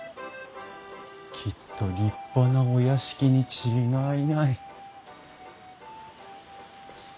きっと立派なお屋敷に違いない。